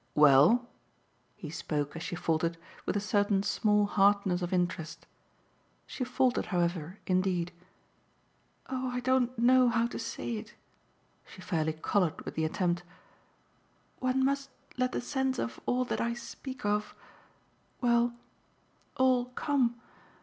"Well?" he spoke, as she faltered, with a certain small hardness of interest. She faltered, however, indeed. "Oh I don't know how to say it." She fairly coloured with the attempt. "One must let the sense of all that I speak of well, all come.